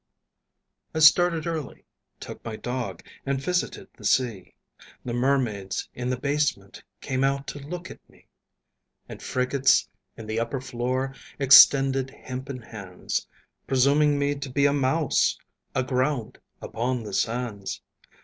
I started early, took my dog, And visited the sea; The mermaids in the basement Came out to look at me, And frigates in the upper floor Extended hempen hands, Presuming me to be a mouse Aground, upon the sands.